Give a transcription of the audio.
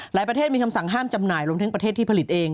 ประเทศมีคำสั่งห้ามจำหน่ายรวมทั้งประเทศที่ผลิตเอง